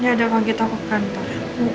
ya udah pagi toko kantor